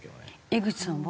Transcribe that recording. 江口さんは？